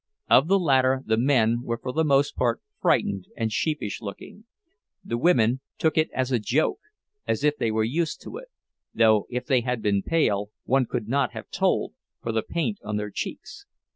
Of the latter the men were for the most part frightened and sheepish looking. The women took it as a joke, as if they were used to it—though if they had been pale, one could not have told, for the paint on their cheeks.